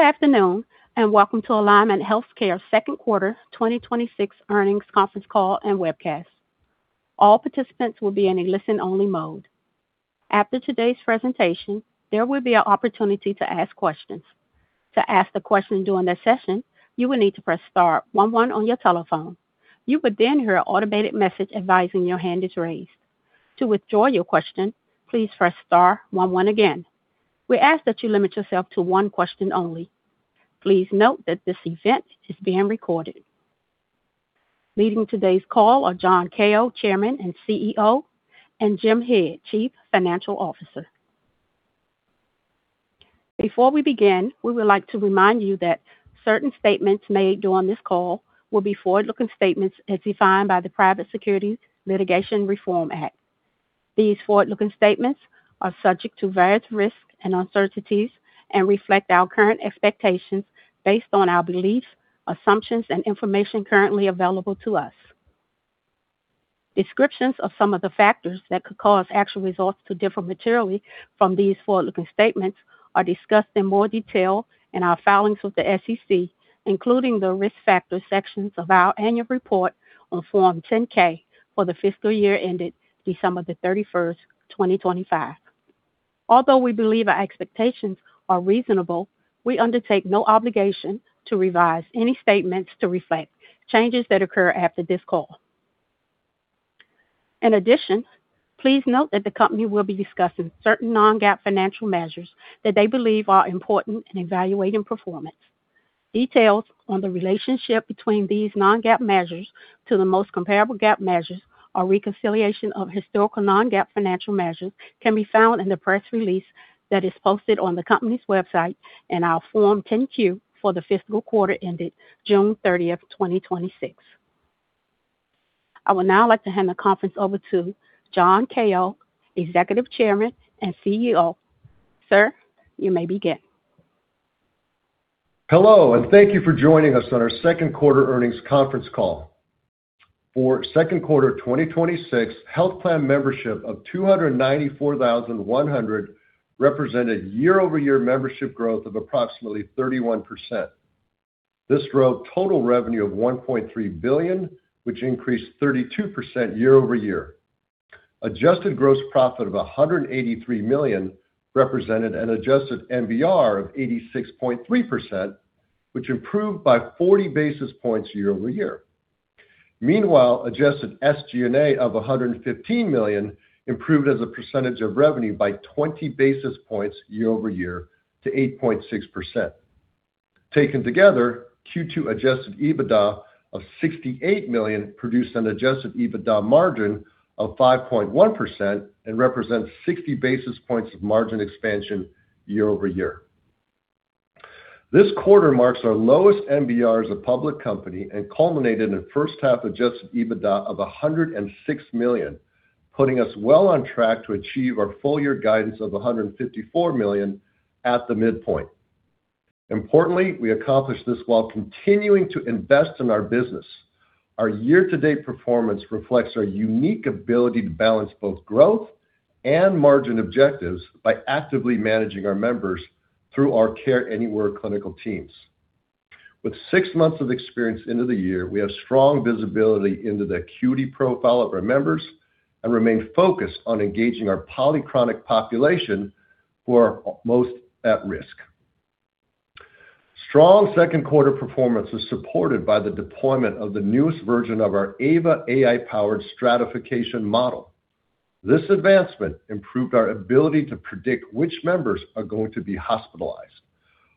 Good afternoon, and welcome to Alignment Healthcare second quarter 2026 earnings conference call and webcast. All participants will be in a listen-only mode. After today's presentation, there will be an opportunity to ask questions. To ask a question during the session, you will need to press star one one on your telephone. You would then hear an automated message advising your hand is raised. To withdraw your question, please press star one one again. We ask that you limit yourself to one question only. Please note that this event is being recorded. Leading today's call are John Kao, Chairman and CEO, and Jim Head, Chief Financial Officer. Before we begin, we would like to remind you that certain statements made during this call will be forward-looking statements as defined by the Private Securities Litigation Reform Act. These forward-looking statements are subject to various risks and uncertainties and reflect our current expectations based on our beliefs, assumptions, and information currently available to us. Descriptions of some of the factors that could cause actual results to differ materially from these forward-looking statements are discussed in more detail in our filings with the SEC, including the Risk Factors sections of our annual report on Form 10-K for the fiscal year ended December the 31st, 2025. Although we believe our expectations are reasonable, we undertake no obligation to revise any statements to reflect changes that occur after this call. In addition, please note that the company will be discussing certain non-GAAP financial measures that they believe are important in evaluating performance. Details on the relationship between these non-GAAP measures to the most comparable GAAP measures or reconciliation of historical non-GAAP financial measures can be found in the press release that is posted on the company's website in our Form 10-Q for the fiscal quarter ended June 30th, 2026. I would now like to hand the conference over to John Kao, Executive Chairman and CEO. Sir, you may begin. Hello, and thank you for joining us on our second quarter earnings conference call. For second quarter 2026, health plan membership of 294,100 represented year-over-year membership growth of approximately 31%. This drove total revenue of $1.3 billion, which increased 32% year-over-year. Adjusted gross profit of $183 million represented an adjusted MBR of 86.3%, which improved by 40 basis points year-over-year. Meanwhile, adjusted SG&A of $115 million improved as a percentage of revenue by 20 basis points year-over-year to 8.6%. Taken together, Q2 Adjusted EBITDA of $68 million produced an Adjusted EBITDA margin of 5.1% and represents 60 basis points of margin expansion year-over-year. This quarter marks our lowest MBR as a public company and culminated in a first half Adjusted EBITDA of $106 million, putting us well on track to achieve our full-year guidance of $154 million at the midpoint. Importantly, we accomplished this while continuing to invest in our business. Our year-to-date performance reflects our unique ability to balance both growth and margin objectives by actively managing our members through our Care Anywhere clinical teams. With six months of experience into the year, we have strong visibility into the acuity profile of our members and remain focused on engaging our polychronic population who are most at risk. Strong second quarter performance is supported by the deployment of the newest version of our AVA AI-powered stratification model. This advancement improved our ability to predict which members are going to be hospitalized.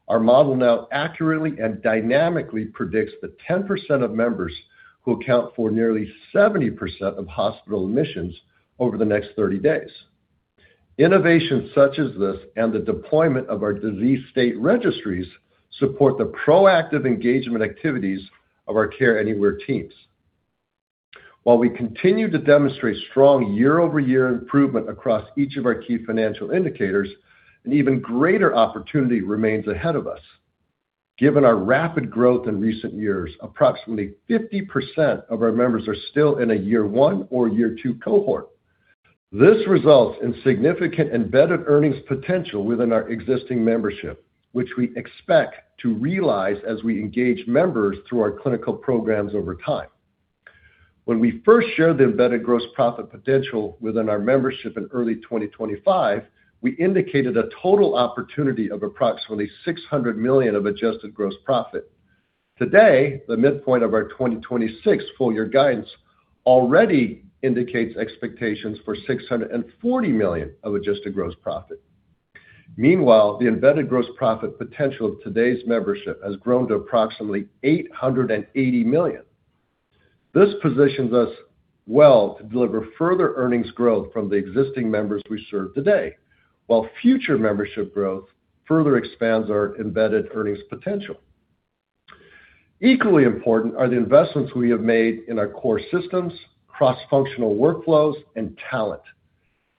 Our model now accurately and dynamically predicts the 10% of members who account for nearly 70% of hospital admissions over the next 30 days. Innovations such as this and the deployment of our disease state registries support the proactive engagement activities of our Care Anywhere teams. While we continue to demonstrate strong year-over-year improvement across each of our key financial indicators, an even greater opportunity remains ahead of us. Given our rapid growth in recent years, approximately 50% of our members are still in a year 1 or year 2 cohort. This results in significant embedded earnings potential within our existing membership, which we expect to realize as we engage members through our clinical programs over time. When we first shared the embedded gross profit potential within our membership in early 2025, we indicated a total opportunity of approximately $600 million of adjusted gross profit. Today, the midpoint of our 2026 full-year guidance already indicates expectations for $640 million of adjusted gross profit. Meanwhile, the embedded gross profit potential of today's membership has grown to approximately $880 million. This positions us well to deliver further earnings growth from the existing members we serve today, while future membership growth further expands our embedded earnings potential. Equally important are the investments we have made in our core systems, cross-functional workflows, and talent.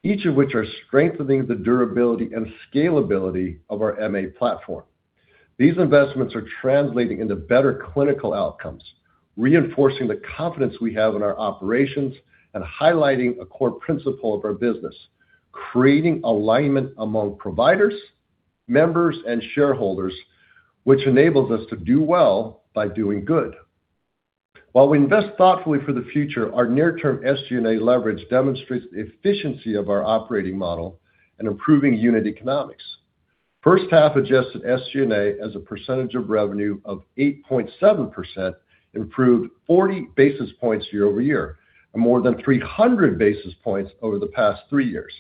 Each of which are strengthening the durability and scalability of our MA platform. These investments are translating into better clinical outcomes, reinforcing the confidence we have in our operations, and highlighting a core principle of our business. Creating alignment among providers, members, and shareholders, which enables us to do well by doing good. While we invest thoughtfully for the future, our near-term SG&A leverage demonstrates the efficiency of our operating model in improving unit economics. First half adjusted SG&A as a percentage of revenue of 8.7%, improved 40 basis points year-over-year, and more than 300 basis points over the past three years.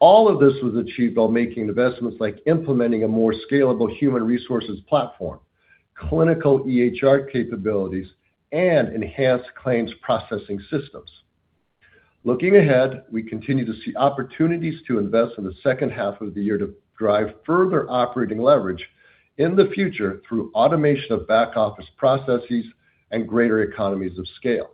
All of this was achieved while making investments like implementing a more scalable human resources platform, clinical EHR capabilities, and enhanced claims processing systems. Looking ahead, we continue to see opportunities to invest in the second half of the year to drive further operating leverage in the future through automation of back-office processes and greater economies of scale.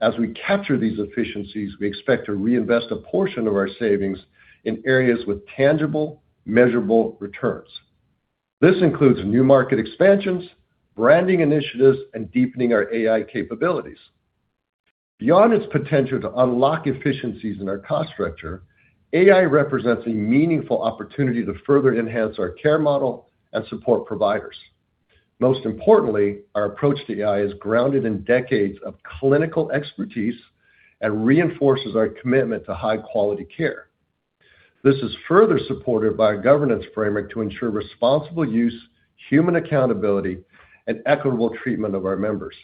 As we capture these efficiencies, we expect to reinvest a portion of our savings in areas with tangible, measurable returns. This includes new market expansions, branding initiatives, and deepening our AI capabilities. Beyond its potential to unlock efficiencies in our cost structure, AI represents a meaningful opportunity to further enhance our care model and support providers. Most importantly, our approach to AI is grounded in decades of clinical expertise and reinforces our commitment to high-quality care. This is further supported by a governance framework to ensure responsible use, human accountability, and equitable treatment of our members.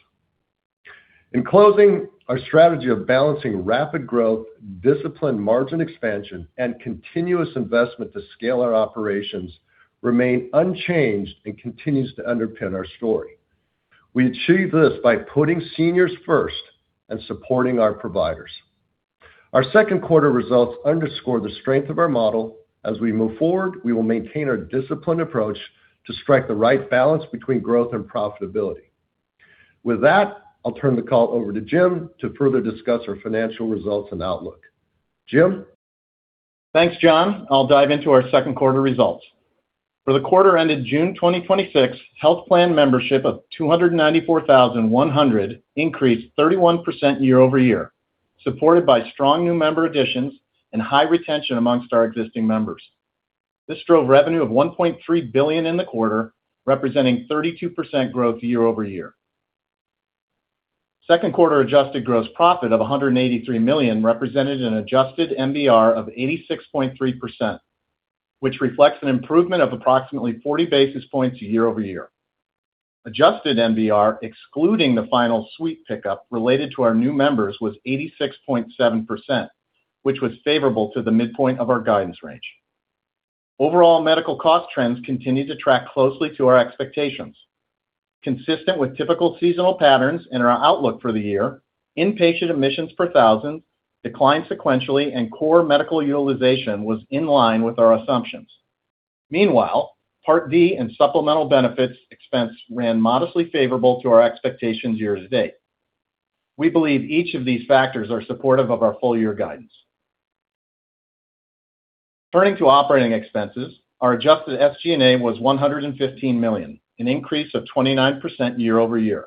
In closing, our strategy of balancing rapid growth, disciplined margin expansion, and continuous investment to scale our operations remain unchanged and continues to underpin our story. We achieve this by putting seniors first and supporting our providers. Our second quarter results underscore the strength of our model. As we move forward, we will maintain our disciplined approach to strike the right balance between growth and profitability. With that, I'll turn the call over to Jim to further discuss our financial results and outlook. Jim? Thanks, John. I'll dive into our second quarter results. For the quarter ended June 2026, health plan membership of 294,100 increased 31% year over year, supported by strong new member additions and high retention amongst our existing members. This drove revenue of $1.3 billion in the quarter, representing 32% growth year over year. Second quarter adjusted gross profit of $183 million represented an adjusted MBR of 86.3%, which reflects an improvement of approximately 40 basis points year over year. Adjusted MBR, excluding the final sweep pickup related to our new members, was 86.7%, which was favorable to the midpoint of our guidance range. Overall medical cost trends continued to track closely to our expectations. Consistent with typical seasonal patterns and our outlook for the year, inpatient admissions per thousand declined sequentially, and core medical utilization was in line with our assumptions. Meanwhile part D and supplemental benefits expense ran modestly favorable to our expectations year to date. We believe each of these factors are supportive of our full year guidance. Turning to operating expenses, our adjusted SG&A was $115 million, an increase of 29% year-over-year.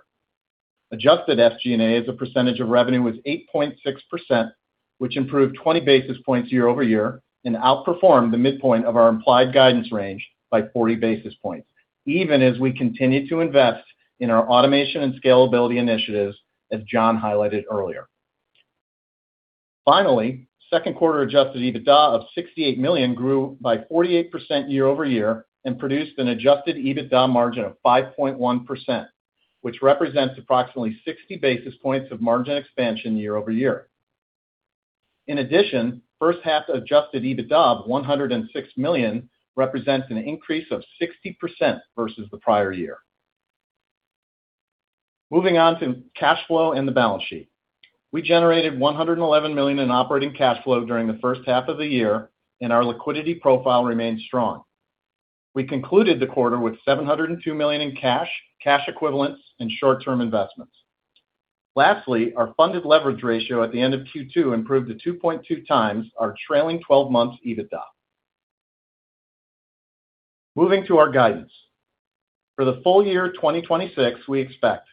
Adjusted SG&A as a percentage of revenue was 8.6%, which improved 20 basis points yea-ove-year and outperformed the midpoint of our implied guidance range by 40 basis points, even as we continued to invest in our automation and scalability initiatives, as John highlighted earlier. Second quarter Adjusted EBITDA of $68 million grew by 48% year-over-year and produced an Adjusted EBITDA margin of 5.1%, which represents approximately 60 basis points of margin expansion year-over-year. In addition, first half Adjusted EBITDA of $106 million represents an increase of 60% versus the prior year. Moving on to cash flow and the balance sheet. We generated $111 million in operating cash flow during the first half of the year, and our liquidity profile remains strong. We concluded the quarter with $702 million in cash equivalents, and short-term investments. Our funded leverage ratio at the end of Q2 improved to 2.2 times our trailing 12 months EBITDA. Moving to our guidance. For the full year 2026, we expect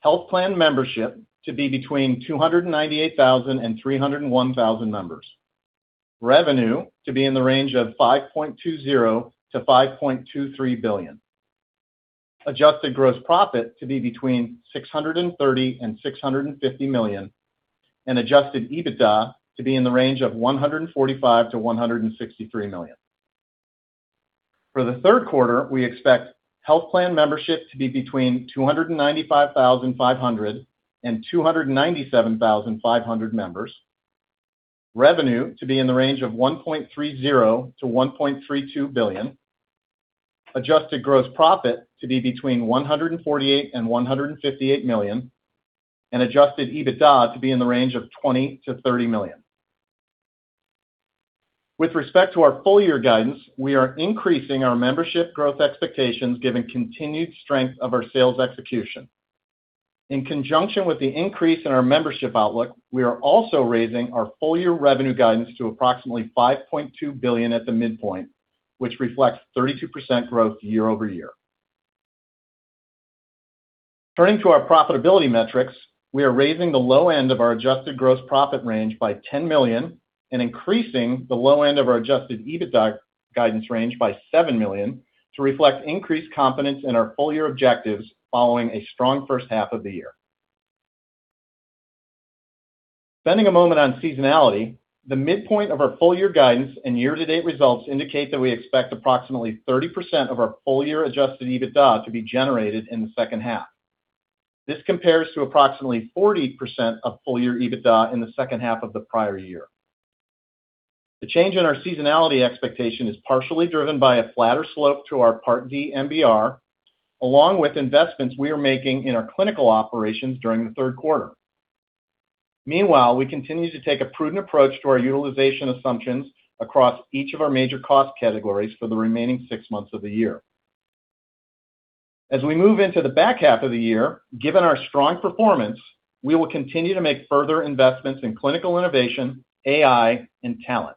health plan membership to be between 298,000 and 301,000 members, revenue to be in the range of $5.20 billion-$5.23 billion, adjusted gross profit to be between $630 million-$650 million, and Adjusted EBITDA to be in the range of $145 million-$163 million. For the third quarter, we expect health plan membership to be between 295,500 and 297,500 members, revenue to be in the range of $1.30 billion-$1.32 billion, adjusted gross profit to be between $148 million-$158 million, and Adjusted EBITDA to be in the range of $20 million-$30 million. With respect to our full year guidance, we are increasing our membership growth expectations given continued strength of our sales execution. In conjunction with the increase in our membership outlook, we are also raising our full year revenue guidance to approximately $5.2 billion at the midpoint, which reflects 32% growth year-over-year. Turning to our profitability metrics, we are raising the low end of our adjusted gross profit range by $10 million and increasing the low end of our Adjusted EBITDA guidance range by $7 million to reflect increased confidence in our full-year objectives following a strong first half of the year. Spending a moment on seasonality, the midpoint of our full-year guidance and year-to-date results indicate that we expect approximately 30% of our full-year Adjusted EBITDA to be generated in the second half. This compares to approximately 40% of full-year EBITDA in the second half of the prior year. The change in our seasonality expectation is partially driven by a flatter slope to our Part D MBR, along with investments we are making in our clinical operations during the third quarter. Meanwhile, we continue to take a prudent approach to our utilization assumptions across each of our major cost categories for the remaining six months of the year. As we move into the back half of the year, given our strong performance, we will continue to make further investments in clinical innovation, AI, and talent.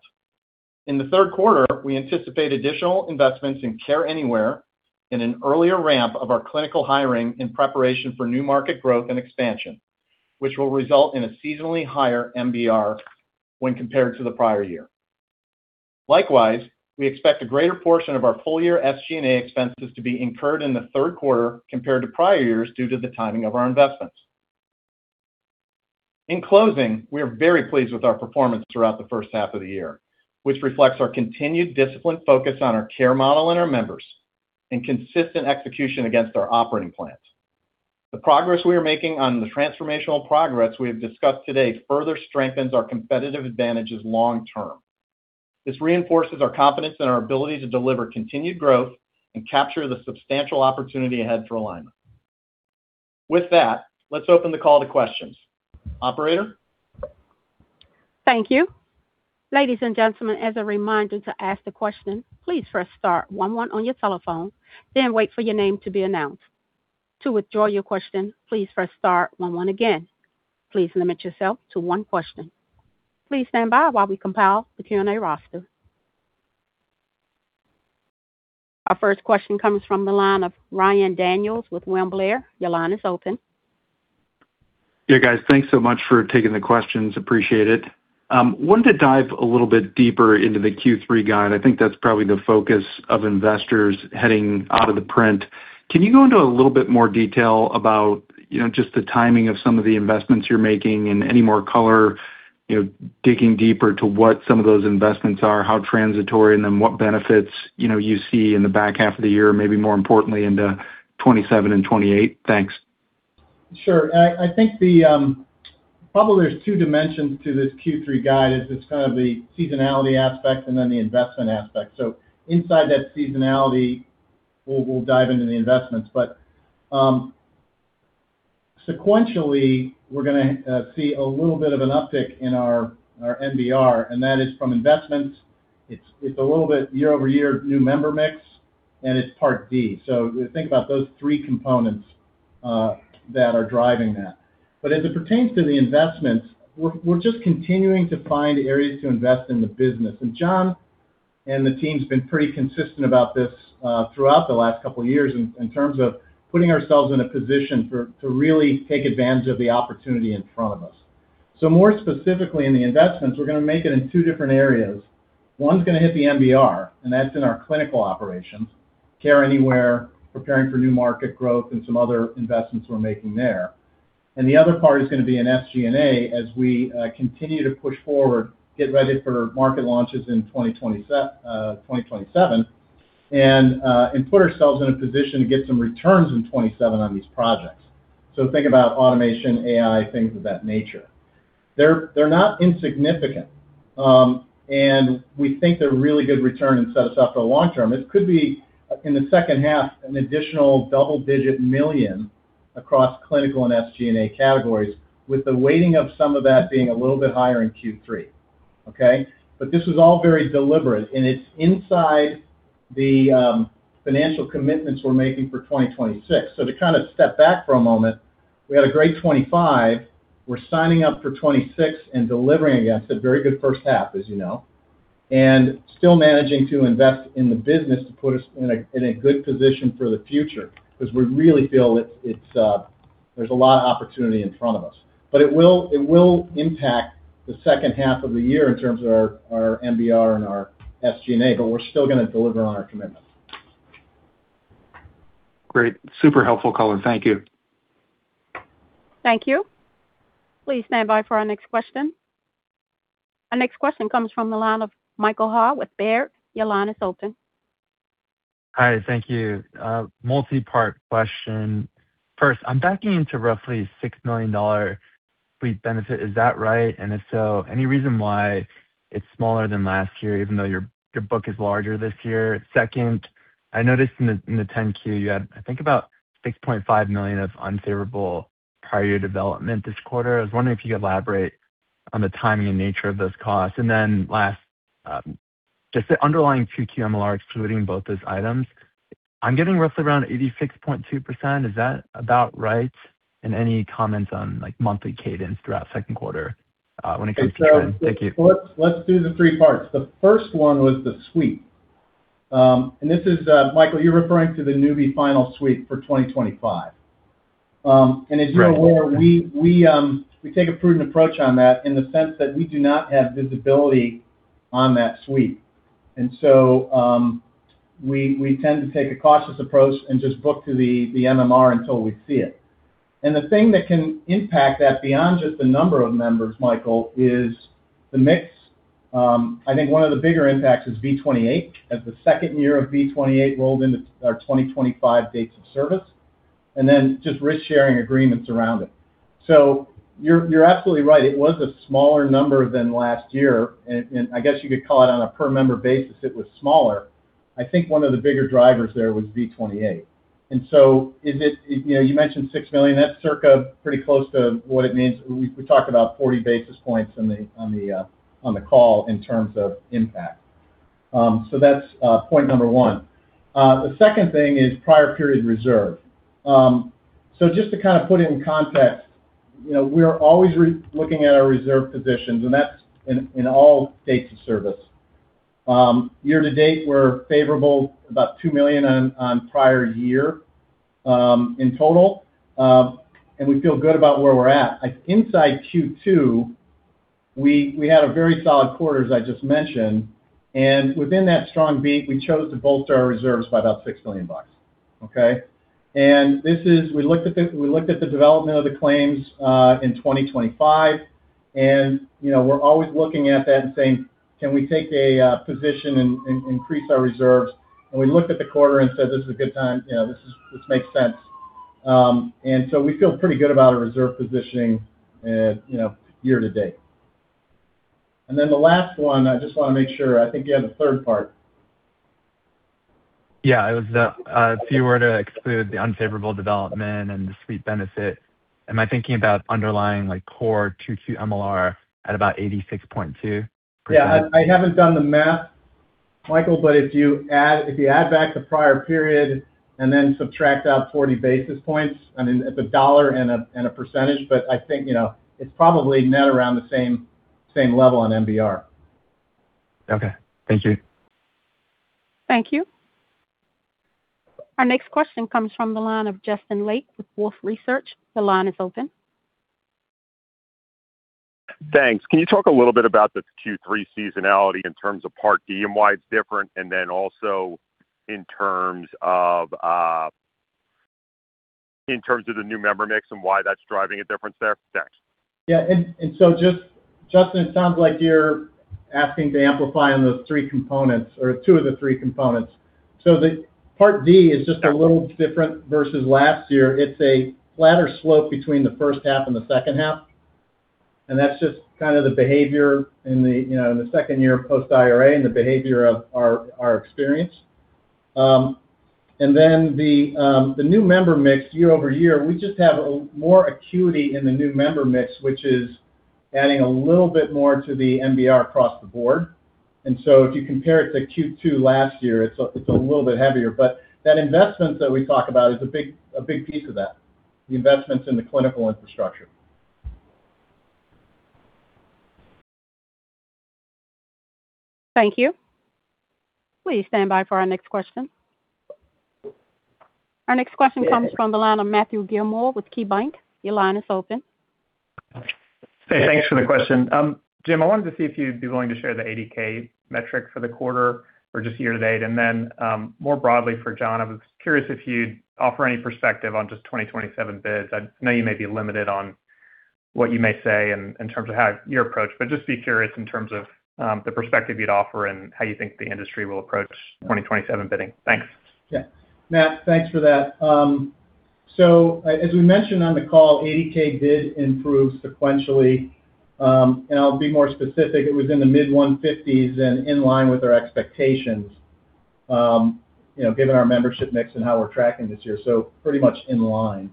In the third quarter, we anticipate additional investments in Care Anywhere and an earlier ramp of our clinical hiring in preparation for new market growth and expansion, which will result in a seasonally higher MBR when compared to the prior year. Likewise, we expect a greater portion of our full-year SG&A expenses to be incurred in the third quarter compared to prior years due to the timing of our investments. In closing, we are very pleased with our performance throughout the first half of the year, which reflects our continued disciplined focus on our care model and our members, and consistent execution against our operating plans. The progress we are making on the transformational progress we have discussed today further strengthens our competitive advantages long-term. This reinforces our confidence in our ability to deliver continued growth and capture the substantial opportunity ahead for Alignment. With that, let's open the call to questions. Operator? Thank you. Ladies and gentlemen, as a reminder to ask the question, please press star one one on your telephone, then wait for your name to be announced. To withdraw your question, please press star one one again. Please limit yourself to one question. Please stand by while we compile the Q&A roster. Our first question comes from the line of Ryan Daniels with William Blair. Your line is open. Yeah, guys, thanks so much for taking the questions. Appreciate it. Wanted to dive a little bit deeper into the Q3 guide. I think that's probably the focus of investors heading out of the print. Can you go into a little bit more detail about just the timing of some of the investments you're making and any more color, digging deeper to what some of those investments are, how transitory, and then what benefits you see in the back half of the year, maybe more importantly into 2027 and 2028? Thanks. Sure. I think probably there's two dimensions to this Q3 guide, is just kind of the seasonality aspect and then the investment aspect. Inside that seasonality, we'll dive into the investments. Sequentially, we're going to see a little bit of an uptick in our MBR, and that is from investments. It's a little bit year-over-year new member mix, and it's Part D. If you think about those three components that are driving that. As it pertains to the investments, we're just continuing to find areas to invest in the business. John and the team's been pretty consistent about this throughout the last couple of years in terms of putting ourselves in a position to really take advantage of the opportunity in front of us. More specifically in the investments, we're going to make it in two different areas. One's going to hit the MBR, and that's in our clinical operations, Care Anywhere, preparing for new market growth and some other investments we're making there. The other part is going to be in SG&A as we continue to push forward, get ready for market launches in 2027, and put ourselves in a position to get some returns in 2027 on these projects. Think about automation, AI, things of that nature. They're not insignificant. We think they're a really good return and set us up for the long term. It could be, in the second half, an additional double-digit million across clinical and SG&A categories, with the weighting of some of that being a little bit higher in Q3. Okay. This was all very deliberate, and it's inside the financial commitments we're making for 2026. To kind of step back for a moment, we had a great 2025. We are signing up for 2026 and delivering against a very good first half, as you know, and still managing to invest in the business to put us in a good position for the future because we really feel there is a lot of opportunity in front of us. It will impact the second half of the year in terms of our MBR and our SG&A, but we are still going to deliver on our commitments. Great. Super helpful color. Thank you. Thank you. Please stand by for our next question. Our next question comes from the line of Michael Ha with Baird. Your line is open. Hi. Thank you. Multi-part question. First, I am backing into roughly $6 million sweep benefit Is that right? If so, any reason why it is smaller than last year, even though your book is larger this year? Second, I noticed in the 10-Q you had, I think about $6.5 million of unfavorable prior year development this quarter. I was wondering if you could elaborate on the timing and nature of those costs. Last, just the underlying Q2 MLR excluding both those items, I am getting roughly around 86.2%. Is that about right? Any comments on monthly cadence throughout second quarter when it comes to trends? Thank you. Let's do the three parts. The first one was the sweep, Michael, you're referring to the newbie final sweep for 2025. As you're aware, we take a prudent approach on that in the sense that we do not have visibility on that sweep. We tend to take a cautious approach and just book to the MMR until we see it. The thing that can impact that beyond just the number of members, Michael, is the mix. I think one of the bigger impacts is V28, as the second year of V28 rolled into our 2025 dates of service, just risk-sharing agreements around it. You're absolutely right. It was a smaller number than last year, I guess you could call it on a per member basis, it was smaller. I think one of the bigger drivers there was V28. You mentioned $6 million. That's circa pretty close to what it means. We talked about 40 basis points on the call in terms of impact. That's point number one. The second thing is prior period reserve. Just to kind of put it in context, we're always looking at our reserve positions, and that's in all dates of service. Year to date, we're favorable about $2 million on prior year in total. We feel good about where we're at. Inside Q2, we had a very solid quarter, as I just mentioned, and within that strong beat, we chose to bolster our reserves by about $6 million. Okay? We looked at the development of the claims in 2025, we're always looking at that and saying, "Can we take a position and increase our reserves?" We looked at the quarter and said, "This is a good time. This makes sense." We feel pretty good about our reserve positioning year to date. The last one, I just want to make sure, I think you had the third part. Yeah. If you were to exclude the unfavorable development and the sweep benefit, am I thinking about underlying core Q2 MLR at about 86.2%? Yeah, I haven't done the math, Michael, but if you add back the prior period and then subtract out 40 basis points, I mean, it's a dollar and a percentage, but I think it's probably net around the same level on MBR. Okay. Thank you. Thank you. Our next question comes from the line of Justin Lake with Wolfe Research. The line is open. Thanks. Can you talk a little bit about the Q3 seasonality in terms of Part D and why it's different, and then also in terms of the new member mix and why that's driving a difference there? Thanks. Yeah. Justin, it sounds like you're asking to amplify on those three components or two of the three components. The Part D is just a little different versus last year. It's a flatter slope between the first half and the second half, and that's just kind of the behavior in the second year post IRA and the behavior of our experience. The new member mix year-over-year, we just have more acuity in the new member mix, which is adding a little bit more to the MBR across the board. If you compare it to Q2 last year, it's a little bit heavier. That investment that we talk about is a big piece of that, the investments in the clinical infrastructure. Thank you. Please stand by for our next question. Our next question comes from the line of Matthew Gillmor with KeyBank. Your line is open. Hey, thanks for the question. Jim, I wanted to see if you'd be willing to share the ADK metric for the quarter or just year-to-date, more broadly for John, I was curious if you'd offer any perspective on just 2027 bids. I know you may be limited on what you may say in terms of your approach, just be curious in terms of the perspective you'd offer and how you think the industry will approach 2027 bidding. Thanks. Matt, thanks for that. As we mentioned on the call, ADK bid improved sequentially. I'll be more specific. It was in the mid-150s and in line with our expectations, given our membership mix and how we're tracking this year. Pretty much in line.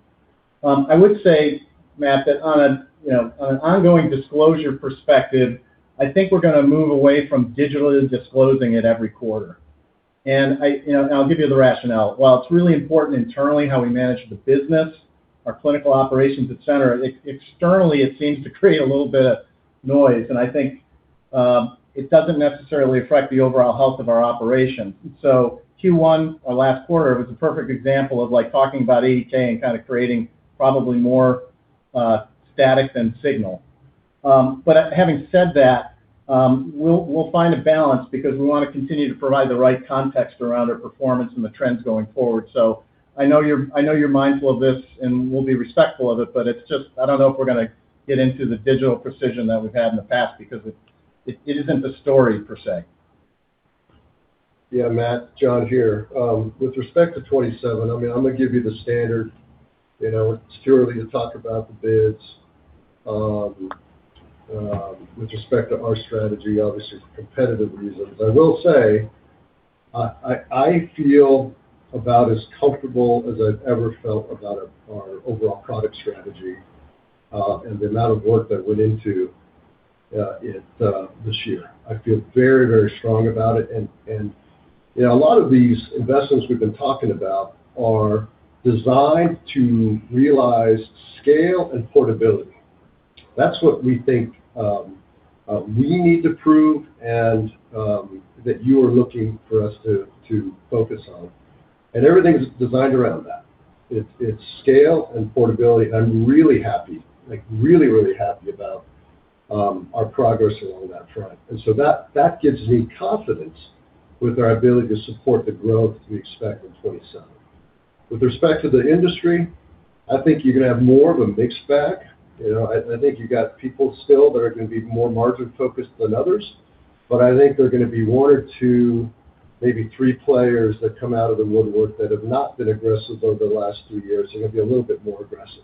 I would say, Matt, that on an ongoing disclosure perspective, I think we're going to move away from digitally disclosing it every quarter. I'll give you the rationale. While it's really important internally how we manage the business, our clinical operations, et cetera, externally, it seems to create a little bit of noise, and I think it doesn't necessarily affect the overall health of our operation. Q1 or last quarter was a perfect example of talking about ADK and kind of creating probably more static than signal. Having said that, we'll find a balance because we want to continue to provide the right context around our performance and the trends going forward. I know you're mindful of this, and we'll be respectful of it, but it's just I don't know if we're going to get into the digital precision that we've had in the past because it isn't the story per se. Matt, John here. With respect to 2027, I'm going to give you the standard. It's too early to talk about the bids. With respect to our strategy, obviously for competitive reasons. I will say I feel about as comfortable as I've ever felt about our overall product strategy, and the amount of work that went into it this year. I feel very, very strong about it. A lot of these investments we've been talking about are designed to realize scale and portability. That's what we think we need to prove and that you are looking for us to focus on. Everything is designed around that. It's scale and portability. I'm really happy, like really, really happy about our progress along that front. That gives me confidence with our ability to support the growth we expect in 2027. With respect to the industry, I think you're going to have more of a mixed bag. I think you've got people still that are going to be more margin-focused than others, but I think they're going to be one or two, maybe three players that come out of the woodwork that have not been aggressive over the last few years, are going to be a little bit more aggressive,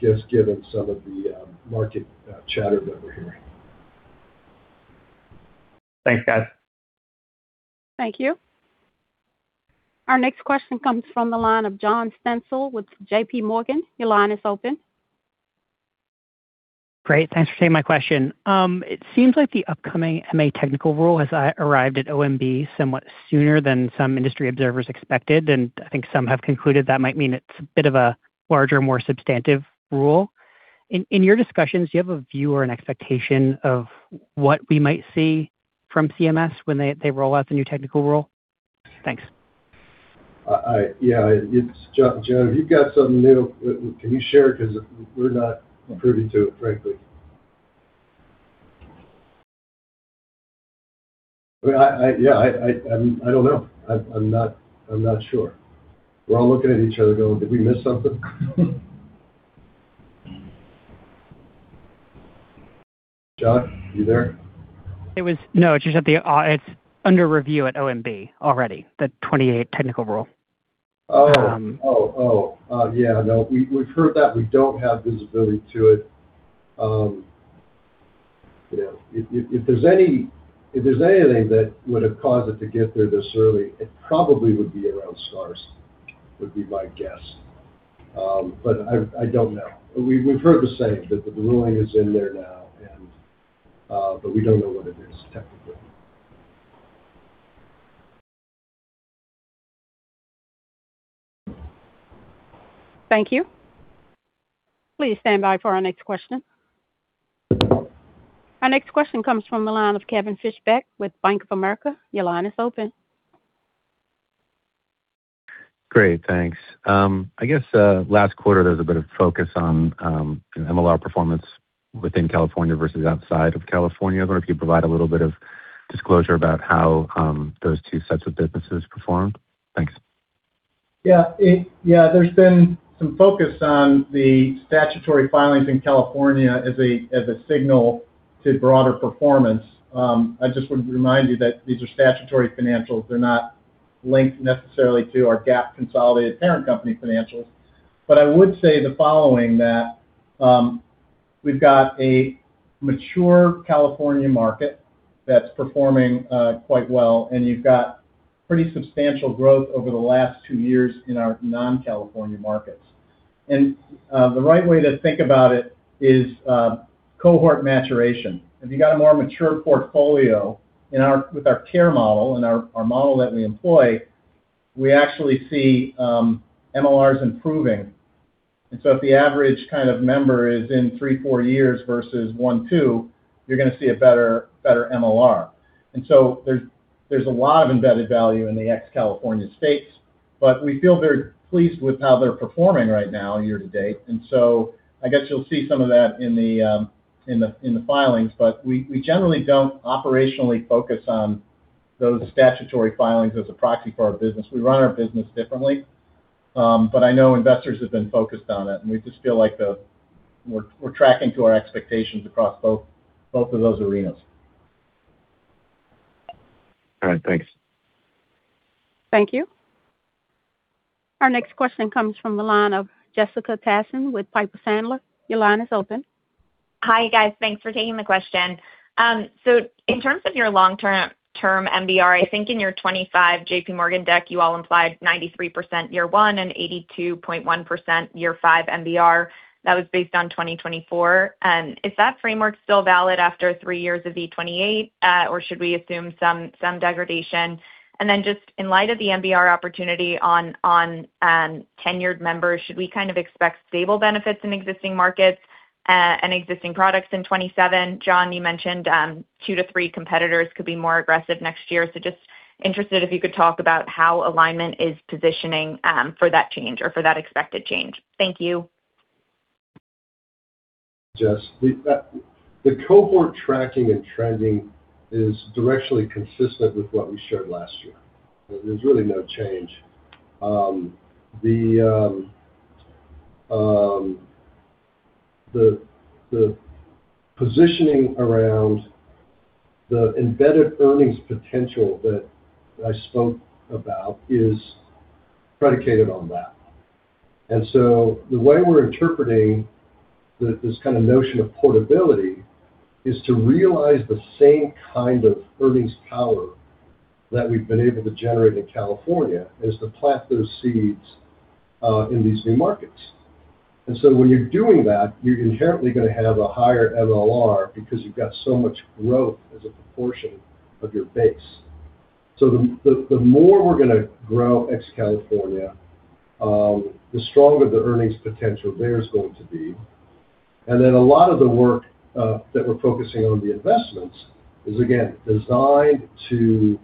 just given some of the market chatter that we're hearing. Thanks, guys. Thank you. Our next question comes from the line of John Stansel with JPMorgan. Your line is open. Great. Thanks for taking my question. It seems like the upcoming MA technical rule has arrived at OMB somewhat sooner than some industry observers expected, I think some have concluded that might mean it's a bit of a larger, more substantive rule. In your discussions, do you have a view or an expectation of what we might see from CMS when they roll out the new technical rule? Thanks. Yeah. John, if you've got something new, can you share it? We're not privy to it, frankly. Yeah, I don't know. I'm not sure. We're all looking at each other going, "Did we miss something?" John, you there? No, it's just that it's under review at OMB already, the 2028 technical rule. Oh. Yeah, no, we've heard that we don't have visibility to it. If there's anything that would have caused it to get there this early, it probably would be around stars, would be my guess. I don't know. We've heard the same, that the ruling is in there now, we don't know what it is, technically. Thank you. Please stand by for our next question. Our next question comes from the line of Kevin Fischbeck with Bank of America. Your line is open. Great, thanks. I guess last quarter there was a bit of focus on MLR performance within California versus outside of California. I wonder if you could provide a little bit of disclosure about how those two sets of businesses performed. Thanks. Yeah. There's been some focus on the statutory filings in California as a signal to broader performance. I just wanted to remind you that these are statutory financials. They're not linked necessarily to our GAAP consolidated parent company financials. I would say the following, that we've got a mature California market that's performing quite well, and you've got pretty substantial growth over the last 2 years in our non-California markets. The right way to think about it is cohort maturation. If you've got a more mature portfolio with our care model and our model that we employ, we actually see MLRs improving. If the average kind of member is in three, four years versus one, two, you're going to see a better MLR. There's a lot of embedded value in the ex-California states, but we feel very pleased with how they're performing right now year-to-date. I guess you'll see some of that in the filings. We generally don't operationally focus on those statutory filings as a proxy for our business. We run our business differently. I know investors have been focused on it, and we just feel like we're tracking to our expectations across both of those arenas. All right. Thanks. Thank you. Our next question comes from the line of Jessica Tassan with Piper Sandler. Your line is open. Hi. Guys, thanks for taking the question. In terms of your long-term MBR, I think in your 2025 JPMorgan deck, you all implied 93% year one and 82.1% year five MBR. That was based on 2024. Is that framework still valid after three years of V28 or should we assume some degradation? Just in light of the MBR opportunity on tenured members, should we kind of expect stable benefits in existing markets and existing products in 2027? John, you mentioned two to three competitors could be more aggressive next year. Just interested if you could talk about how Alignment is positioning for that change or for that expected change. Thank you. Jess, the cohort tracking and trending is directionally consistent with what we shared last year. There's really no change. The positioning around the embedded earnings potential that I spoke about is predicated on that. The way we're interpreting this kind of notion of portability is to realize the same kind of earnings power that we've been able to generate in California, is to plant those seeds in these new markets. When you're doing that, you're inherently going to have a higher MLR because you've got so much growth as a proportion of your base. The more we're going to grow ex-California, the stronger the earnings potential there is going to be. A lot of the work that we're focusing on, the investments, is again, designed to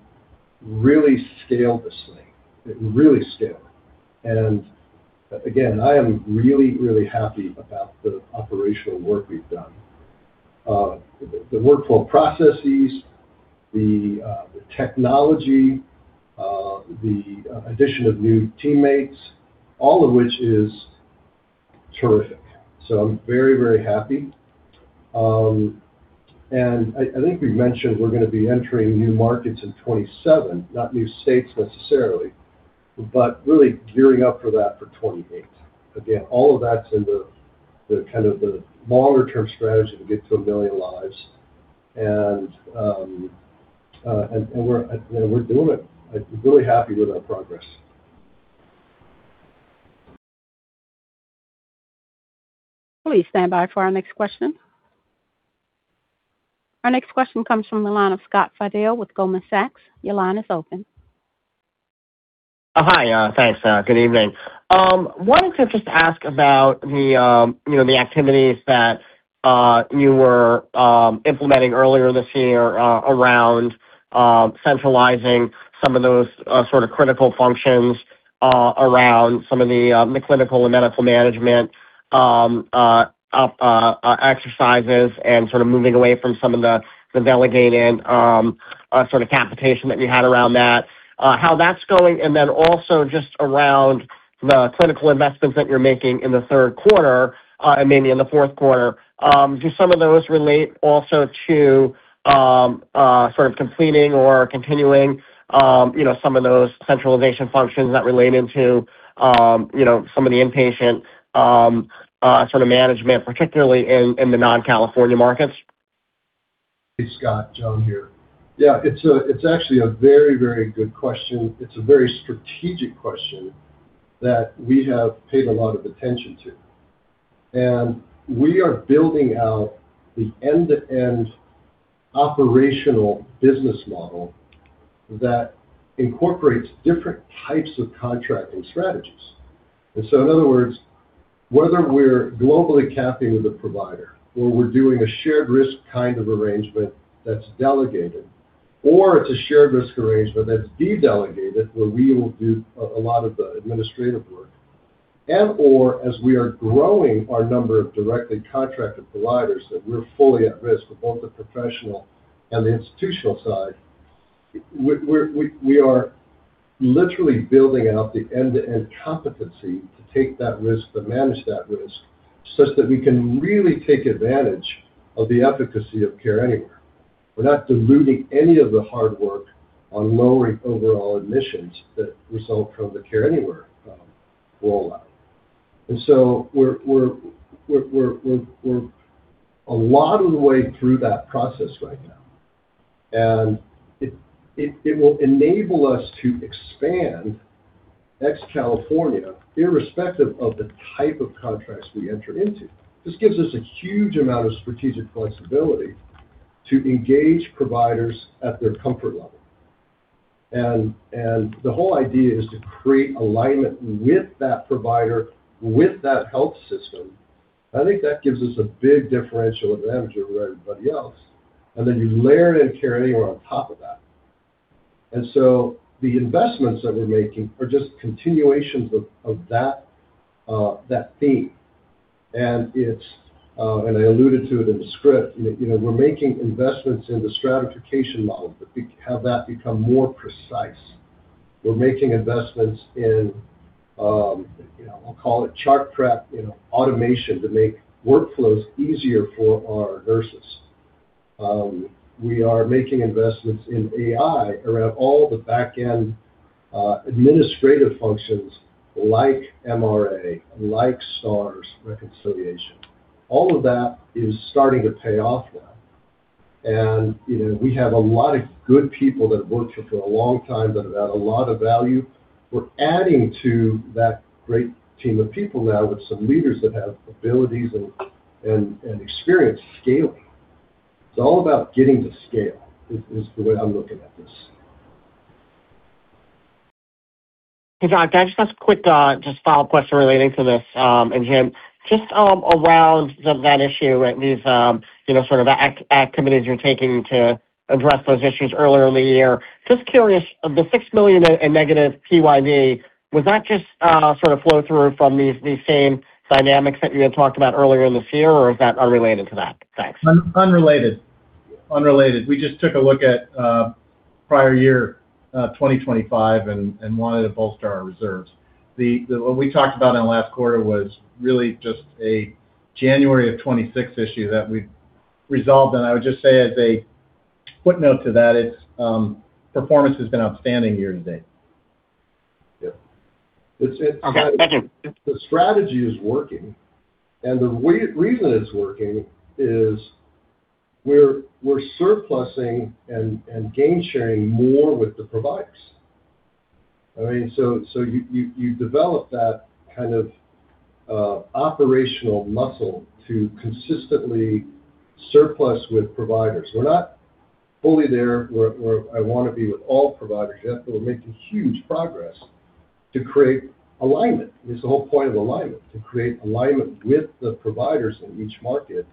really scale this thing. Really scale. I am really happy about the operational work we've done. The workflow processes, the technology, the addition of new teammates, all of which is terrific. I'm very, very happy. I think we've mentioned we're going to be entering new markets in 2027, not new states necessarily, but really gearing up for that for 2028. Again, all of that's in the longer-term strategy to get to a million lives. We're doing it. I'm really happy with our progress. Please stand by for our next question. Our next question comes from the line of Scott Fidel with Goldman Sachs. Your line is open. Hi. Thanks. Good evening. Wanted to just ask about the activities that you were implementing earlier this year around centralizing some of those critical functions around some of the clinical and medical management exercises, and moving away from some of the delegated capitation that you had around that, how that's going. Also just around the clinical investments that you're making in the third quarter and maybe in the fourth quarter. Do some of those relate also to completing or continuing some of those centralization functions that relate into some of the inpatient management, particularly in the non-California markets? Hey, Scott. John here. It's actually a very good question. It's a very strategic question that we have paid a lot of attention to. We are building out the end-to-end operational business model that incorporates different types of contracting strategies. In other words, whether we're globally capping with a provider or we're doing a shared risk kind of arrangement that's delegated, or it's a shared risk arrangement that's de-delegated where we will do a lot of the administrative work, and/or as we are growing our number of directly contracted providers that we're fully at risk with both the professional and the institutional side, We are literally building out the end-to-end competency to take that risk, to manage that risk, such that we can really take advantage of the efficacy of Care Anywhere without diluting any of the hard work on lowering overall admissions that result from the Care Anywhere rollout. We're a lot of the way through that process right now, and it will enable us to expand ex-California, irrespective of the type of contracts we enter into. This gives us a huge amount of strategic flexibility to engage providers at their comfort level. The whole idea is to create alignment with that provider, with that health system. I think that gives us a big differential advantage over everybody else. Then you layer in Care Anywhere on top of that. The investments that we're making are just continuations of that theme. I alluded to it in the script, we're making investments in the stratification model to have that become more precise. We're making investments in, I'll call it chart prep automation to make workflows easier for our nurses. We are making investments in AI around all the back-end administrative functions like MRA, like stars reconciliation. All of that is starting to pay off now. We have a lot of good people that have worked here for a long time that add a lot of value. We're adding to that great team of people now with some leaders that have abilities and experience scaling. It's all about getting to scale, is the way I'm looking at this. Hey, John. Can I just ask a quick follow-up question relating to this? Jim, just around that issue, these sort of activities you're taking to address those issues earlier in the year. Just curious, the $6 million in negative PYD, was that just sort of flow through from these same dynamics that you had talked about earlier in this year, or is that unrelated to that? Thanks. Unrelated. We just took a look at prior year 2025 and wanted to bolster our reserves. What we talked about in the last quarter was really just a January of 2026 issue that we resolved. I would just say as a footnote to that, its performance has been outstanding year to date. Yeah. Okay. Thank you. The strategy is working, the reason it's working is we're surplusing and gain-sharing more with the providers. You develop that kind of operational muscle to consistently surplus with providers. We're not fully there where I want to be with all providers yet, but we're making huge progress to create alignment. It's the whole point of Alignment, to create alignment with the providers in each market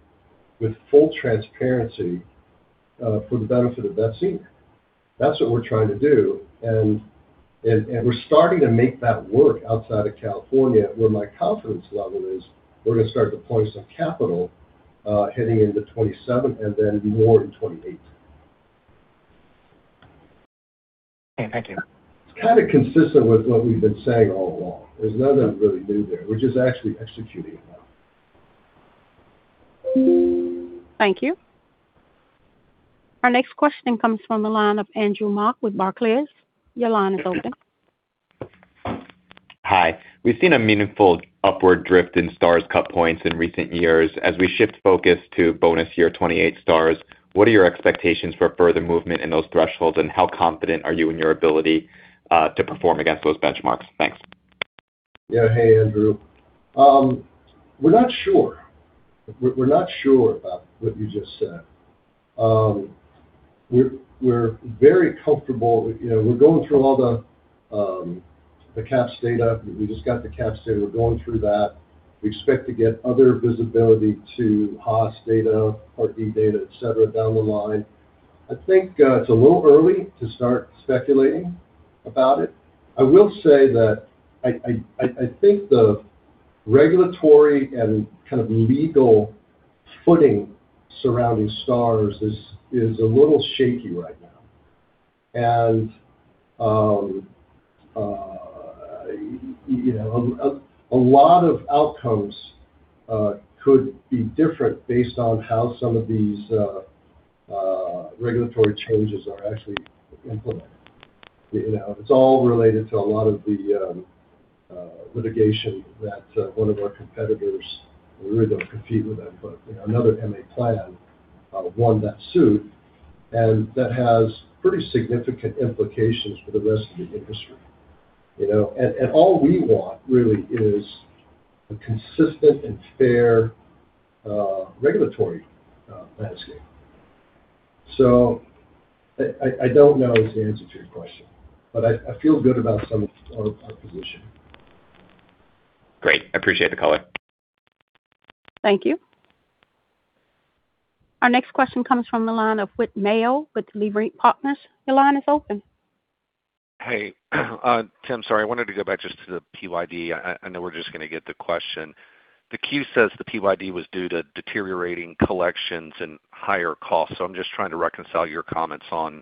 with full transparency for the benefit of that senior. That's what we're trying to do, and we're starting to make that work outside of California, where my confidence level is we're going to start deploying some capital heading into 2027 and then more in 2028. Okay. Thank you. It's kind of consistent with what we've been saying all along. There's nothing really new there. We're just actually executing now. Thank you. Our next question comes from the line of Andrew Mok with Barclays. Your line is open. Hi. We've seen a meaningful upward drift in Stars cut points in recent years. As we shift focus to bonus year 2028 Stars, what are your expectations for further movement in those thresholds, and how confident are you in your ability to perform against those benchmarks? Thanks. Yeah. Hey, Andrew. We're not sure about what you just said. We're very comfortable. We're going through all the CAHPS data. We just got the CAHPS data. We're going through that. We expect to get other visibility to HOS data, Part D data, et cetera, down the line. I think it's a little early to start speculating about it. I will say that I think the regulatory and kind of legal footing surrounding Stars is a little shaky right now. A lot of outcomes could be different based on how some of these regulatory changes are actually implemented. It's all related to a lot of the litigation that one of our competitors, we really don't compete with them, but another MA plan won that suit, and that has pretty significant implications for the rest of the industry. All we want really is a consistent and fair regulatory landscape. I don't know is the answer to your question, but I feel good about our position. Great. Appreciate the color. Thank you. Our next question comes from the line of Whit Mayo with Leerink Partners. Your line is open. Hey, Jim, sorry. I wanted to go back just to the PYD. I know we're just going to get the question. The Q says the PYD was due to deteriorating collections and higher costs. I'm just trying to reconcile your comments on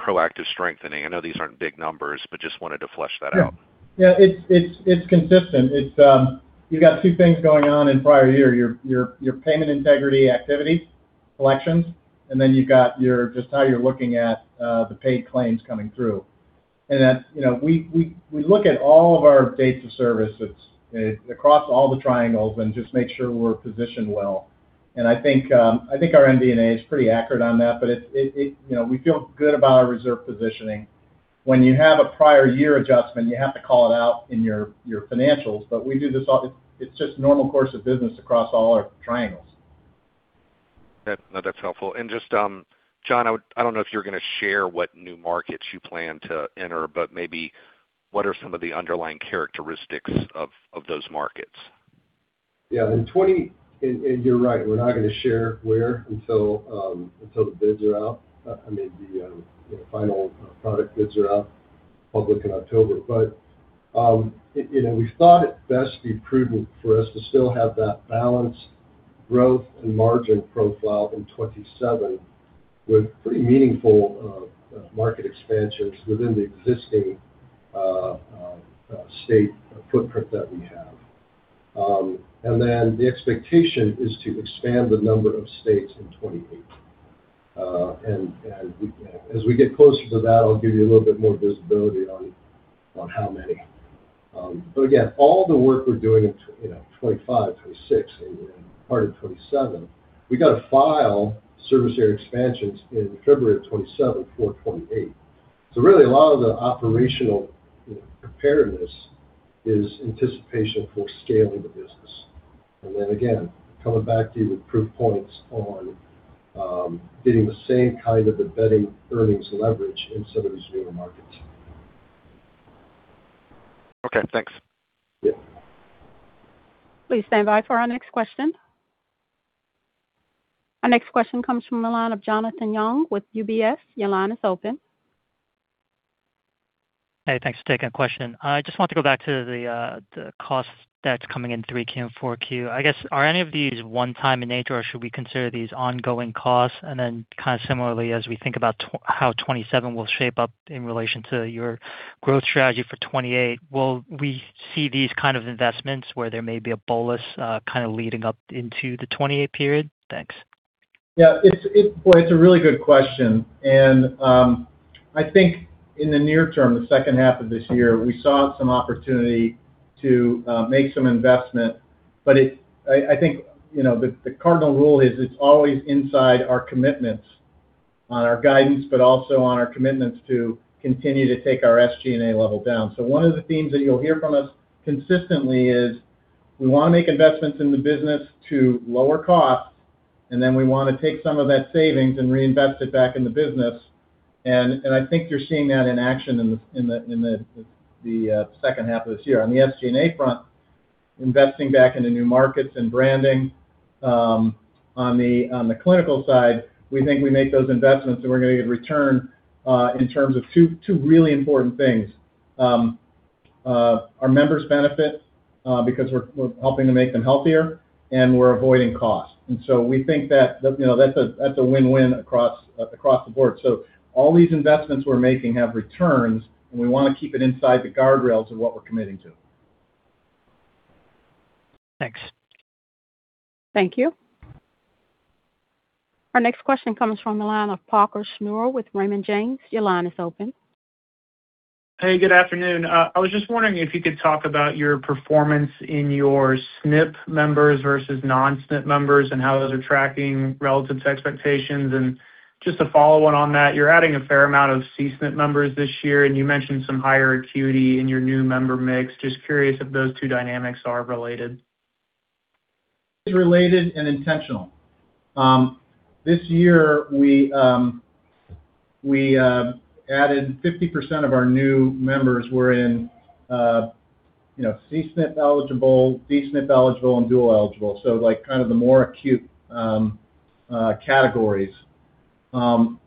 proactive strengthening. I know these aren't big numbers, but just wanted to flesh that out. It's consistent. You've got two things going on in prior year, your payment integrity activity, collections, and then you've got just how you're looking at the paid claims coming through. We look at all of our dates of services across all the triangles and just make sure we're positioned well. I think our MD&A is pretty accurate on that, but we feel good about our reserve positioning. When you have a prior year adjustment, you have to call it out in your financials. It's just normal course of business across all our triangles. No, that's helpful. Just, John, I don't know if you're going to share what new markets you plan to enter, but maybe what are some of the underlying characteristics of those markets? Yeah. You're right, we're not going to share where until the bids are out. I mean, the final product bids are out public in October. We thought it best be prudent for us to still have that balanced growth and margin profile in 2027, with pretty meaningful market expansions within the existing state footprint that we have. The expectation is to expand the number of states in 2028. As we get closer to that, I'll give you a little bit more visibility on how many. Again, all the work we're doing in 2025, 2026 and part of 2027, we've got to file service area expansions in February of 2027 for 2028. Really a lot of the operational preparedness is anticipation for scaling the business. Again, coming back to you with proof points on getting the same kind of embedded earnings leverage in some of these newer markets. Okay, thanks. Yeah. Please stand by for our next question. Our next question comes from the line of Jonathan Yong with UBS. Your line is open. Hey, thanks for taking the question. I just want to go back to the cost that's coming in 3Q and 4Q. I guess, are any of these one-time in nature, or should we consider these ongoing costs? Kind of similarly, as we think about how 2027 will shape up in relation to your growth strategy for 2028, will we see these kind of investments where there may be a bolus kind of leading up into the 2028 period? Thanks. Yeah. Boy, it's a really good question. I think in the near term, the second half of this year, we saw some opportunity to make some investment. But I think the cardinal rule is it's always inside our commitments on our guidance, but also on our commitments to continue to take our SG&A level down. One of the themes that you'll hear from us consistently is we want to make investments in the business to lower costs, we want to take some of that savings and reinvest it back in the business. I think you're seeing that in action in the second half of this year. On the SG&A front, investing back into new markets and branding. On the clinical side, we think we make those investments, and we're going to get return, in terms of two really important things. Our members benefit, because we're helping to make them healthier, and we're avoiding cost. We think that's a win-win across the board. All these investments we're making have returns, and we want to keep it inside the guardrails of what we're committing to. Thanks. Thank you. Our next question comes from the line of Parker Schnur with Raymond James. Your line is open. Hey, good afternoon. I was just wondering if you could talk about your performance in your SNF members versus non-SNF members, and how those are tracking relative to expectations. Just to follow on that, you're adding a fair amount of C-SNP members this year, and you mentioned some higher acuity in your new member mix. Just curious if those two dynamics are related. It's related and intentional. This year, we added 50% of our new members were in C-SNP eligible, D-SNP eligible, and dual eligible. Kind of the more acute categories. What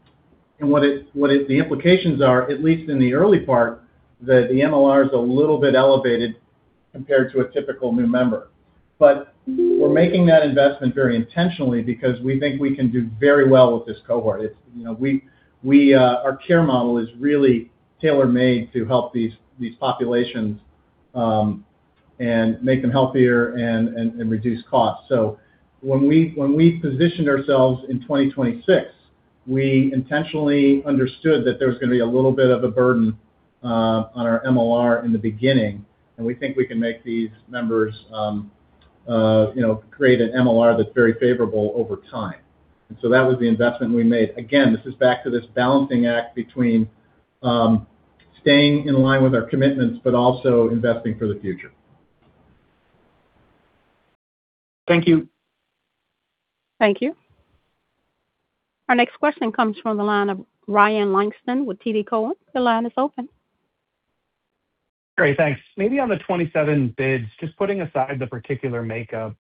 the implications are, at least in the early part, that the MLR is a little bit elevated compared to a typical new member. We're making that investment very intentionally because we think we can do very well with this cohort. Our care model is really tailor-made to help these populations, and make them healthier and reduce costs. When we positioned ourselves in 2026, we intentionally understood that there was going to be a little bit of a burden on our MLR in the beginning, and we think we can make these members create an MLR that's very favorable over time. That was the investment we made. Again, this is back to this balancing act between staying in line with our commitments, but also investing for the future. Thank you. Thank you. Our next question comes from the line of Ryan Langston with TD Cowen. Your line is open. Great. Thanks. On the 2027 bids, just putting aside the particular makeup,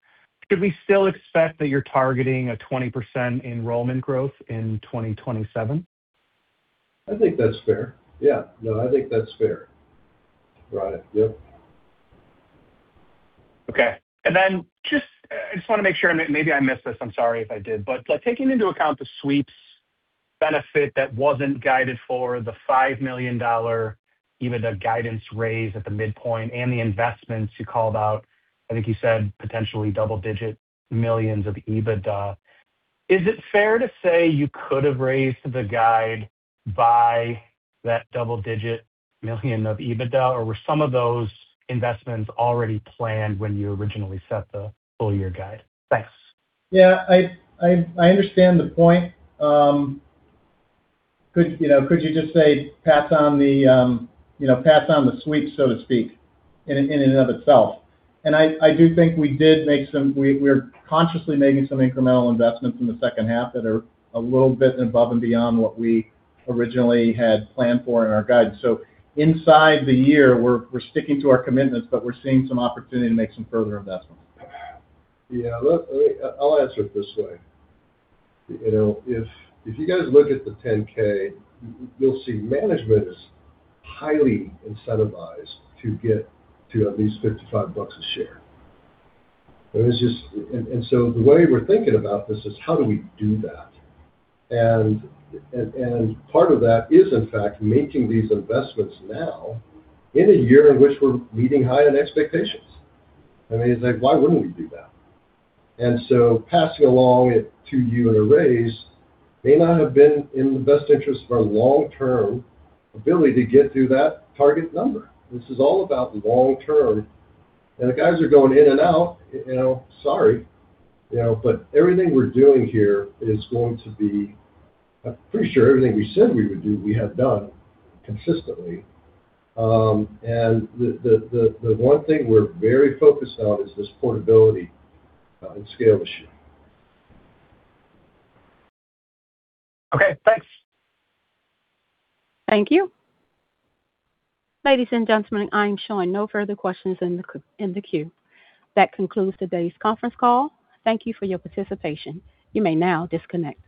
could we still expect that you're targeting a 20% enrollment growth in 2027? I think that's fair. Yeah. No, I think that's fair. Right. Yep. Okay. I just want to make sure, and maybe I missed this. I'm sorry if I did. Taking into account the sweeps benefit that wasn't guided for the $5 million, even the guidance raise at the midpoint and the investments you called out, I think you said potentially double-digit millions of EBITDA. Is it fair to say you could have raised the guide by that double-digit million of EBITDA, or were some of those investments already planned when you originally set the full year guide? Thanks. I understand the point. Could you just say pass on the sweep, so to speak, in and of itself? I do think we're consciously making some incremental investments in the second half that are a little bit above and beyond what we originally had planned for in our guide. Inside the year, we're sticking to our commitments, but we're seeing some opportunity to make some further investments. Yeah, look, I'll answer it this way. If you guys look at the 10-K, you'll see management is highly incentivized to get to at least $55 a share. The way we're thinking about this is how do we do that? Part of that is, in fact, making these investments now in a year in which we're meeting high end expectations. It's like, why wouldn't we do that? Passing along it to you in a raise may not have been in the best interest of our long-term ability to get to that target number. This is all about long-term, and the guys are going in and out, sorry. Everything we're doing here is going to be I'm pretty sure everything we said we would do, we have done consistently. The one thing we're very focused on is this portability and scale issue. Okay, thanks. Thank you. Ladies and gentlemen, I am showing no further questions in the queue. That concludes today's conference call. Thank you for your participation. You may now disconnect.